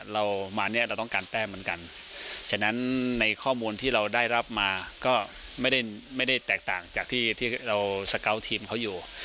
เรามาเนี่ยเราต้องการแต้มเหมือนกันฉะนั้นในข้อมูลที่เราได้รับมาก็ไม่ได้แตกต่างจากที่เราสเกาะทีมเขาอยู่